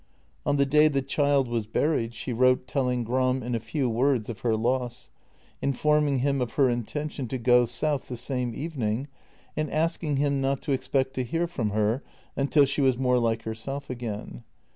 On the day the child was buried she wrote telling Gram in a few words of her loss, informing him of her intention to go south the same evening, and asking him not to expect to hear from her until she was more like herself again.